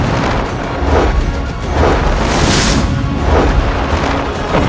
menuju keorsiterinida meluap siswa impian seperti sesuatu yang tak makan senja